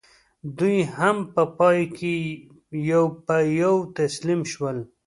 دوی هم په پای کې یو په یو تسلیم شول.